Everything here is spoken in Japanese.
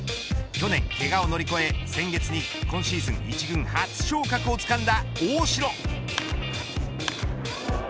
去年、けがを乗り超え先月今シーズン１軍初昇格をつかんだ大城。